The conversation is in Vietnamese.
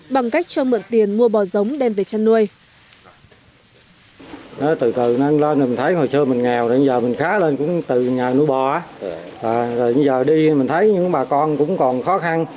bằng cách cho mượn tiền mua bò giống đem về chăn nuôi